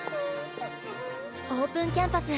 オープンキャンパス